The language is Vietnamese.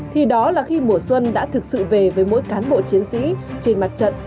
thì đó là khi mùa xuân đã thực sự về với mỗi cán bộ chiến sĩ trên mặt trận đầy cam go và khóc nghiệt này